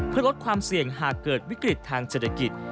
เพื่อลดความเสี่ยงหากเกิดวิกฤตทางเศรษฐกิจ